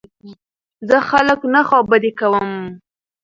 زه خلک نه خوابدي کوم.